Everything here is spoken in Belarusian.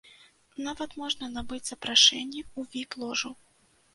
Нават можна набыць запрашэнні ў віп-ложу.